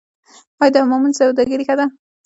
آیا د حمامونو سوداګري ښه ده؟